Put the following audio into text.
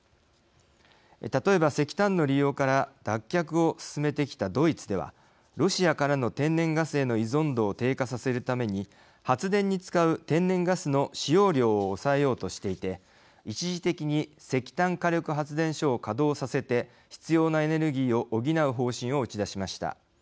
例えば、石炭の利用から脱却を進めてきたドイツではロシアからの天然ガスへの依存度を低下させるために発電に使う天然ガスの使用量を抑えようとしていて一時的に石炭火力発電所を稼働させて必要なエネルギーを補う方針を打ち出しました。